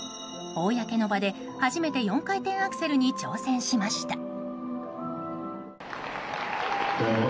公の場で初めて４回転アクセルに挑戦しました。